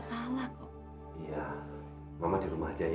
tidak dapat disenjong